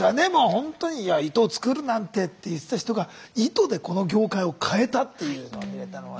ほんとに「糸を作るなんて」って言ってた人が糸でこの業界を変えたっていうのを見れたのは。